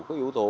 các yếu tố